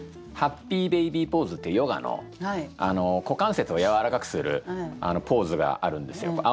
ハッピーベイビーポーズっていうヨガの股関節をやわらかくするポーズがあるんですよ。